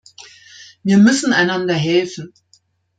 Wir müssen einander helfen.